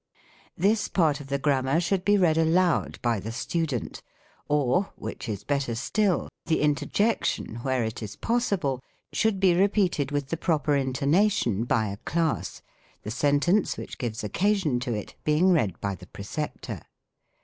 This part of the Grammar should be read aloud by the student; or, which is better still, the interjection, where it is possible, should be repeated with the proper intonation by a class ; the sentence which gives occasion to it being read by the preceptor.